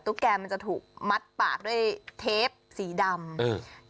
ตุ๊กแกมันจะถูกมัดปากด้วยเทปสีดำ